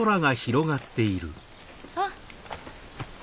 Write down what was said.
あっ。